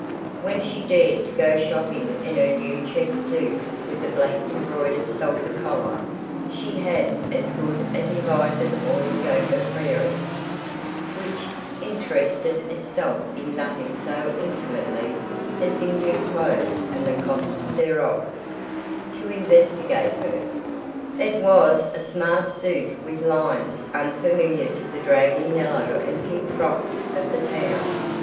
When she dared to go shopping in her new checked suit with the black embroidered sulphur collar, she had as good as invited all of Gopher Prairie (which interested itself in nothing so intimately as in new clothes and the cost thereof) to investigate her. It was a smart suit with lines unfamiliar to the dragging yellow and pink frocks of the town.